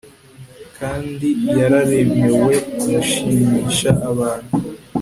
kandi yararemewe gushimisha abantu